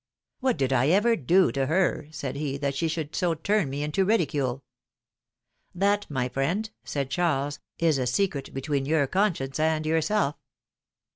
What did I ever do to her," said he, that she should so turn me into ridicule?" That, my friend," said Charles, " is a secret between your conscience and yourself."